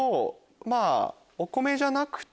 まぁお米じゃなくて。